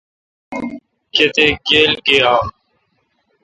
کتیک گیل گییام۔